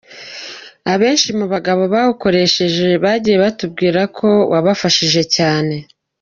Abenshi mu bagabo bawukoresheje bagiye batubwira ko wabafashije cyane.